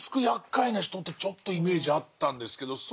やっかいな人ってちょっとイメージあったんですけど